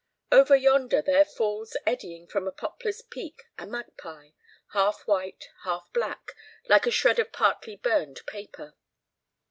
Over yonder, there falls eddying from a poplar's peak a magpie half white, half black, like a shred of partly burned paper.